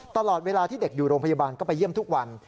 ตลอดเวลาที่เด็กอยู่โรงพยาบาลก็ไปเยี่ยมทุกวัน